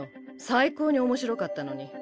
最高に面白かったのに。